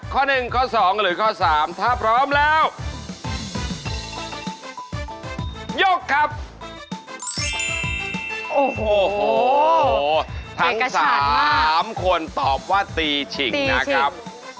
ทั้งสามคนตอบว่าตีสิ่งนะครับ